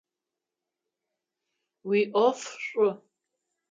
Уиӏоф шӏу!